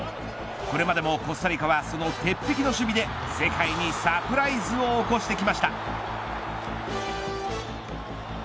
これまでもコスタリカはその鉄壁の守備で世界にサプライズを起こしてきました。